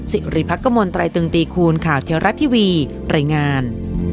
สิริภักษ์กระมวลไตรตึงตีคูณข่าวเที่ยวรัฐทีวีรายงาน